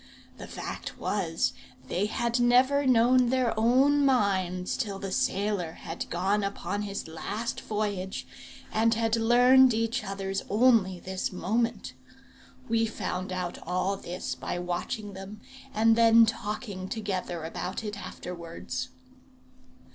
The fact was, they had never known their own minds till the sailor had gone upon his last voyage, and had learned each other's only this moment. We found out all this by watching them, and then talking together about it afterwards.